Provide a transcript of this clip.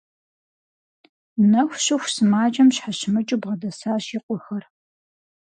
Нэху щыху сымаджэм щхьэщымыкӀыу бгъэдэсащ и къуэхэр.